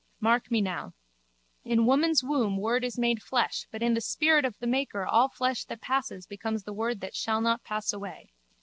Mark me now. In woman's womb word is made flesh but in the spirit of the maker all flesh that passes becomes the word that shall not pass away.